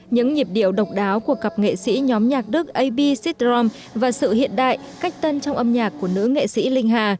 những nhịp điệu độc đáo của cặp nghệ sĩ nhóm nhạc đức ab cittrom và sự hiện đại cách tân trong âm nhạc của nữ nghệ sĩ linh hà